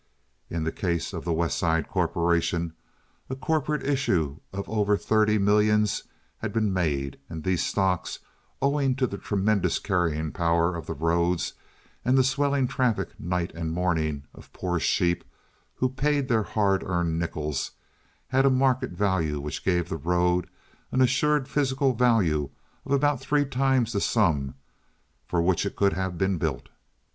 In the case of the West Side corporation, a corporate issue of over thirty millions had been made, and these stocks, owing to the tremendous carrying power of the roads and the swelling traffic night and morning of poor sheep who paid their hard earned nickels, had a market value which gave the road an assured physical value of about three times the sum for which it could have been built.